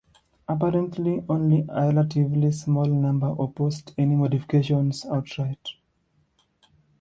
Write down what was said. Apparently only a relatively small number opposed any modifications outright.